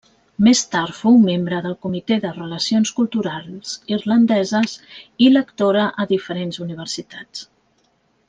Més tard fou membre del Comitè de Relacions Culturals Irlandeses i lectora a diferents universitats.